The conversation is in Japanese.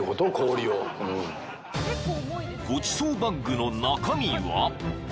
［ごちそうバッグの中身は？］